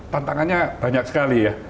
tantangannya banyak sekali ya